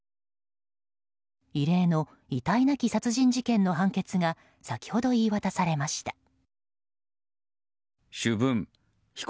異例の遺体なき殺人事件の判決が先ほど言い渡されました。